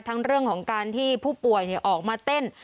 เรื่องของการที่ผู้ป่วยออกมาเต้น